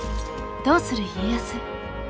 「どうする家康」。